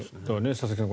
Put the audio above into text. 佐々木さん